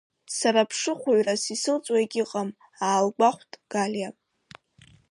Сара ԥшыхәыҩрас исылҵуа егьыҟам, аалгәахәт Галиа.